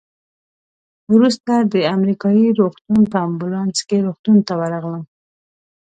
وروسته د امریکایي روغتون په امبولانس کې روغتون ته ورغلم.